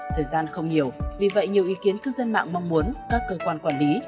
thời gian không nhiều vì vậy nhiều ý kiến cư dân mạng mong muốn các cơ quan quản lý